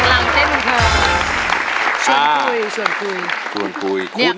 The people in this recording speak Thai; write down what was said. อะไรนะคะกำลังเต้นกันเพลงหลังเต้นเพลง